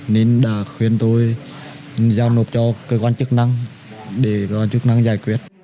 nên đã khuyên tôi giao nộp cho cơ quan chức năng để cơ quan chức năng giải quyết